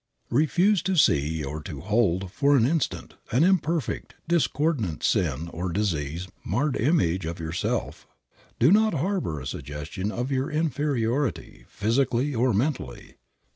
Refuse to see or to hold for an instant an imperfect, discordant sin or disease marred image of yourself. Do not harbor a suggestion of your inferiority, physically or mentally.